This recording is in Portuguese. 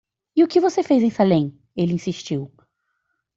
"E o que você faz em Salem?" ele insistiu.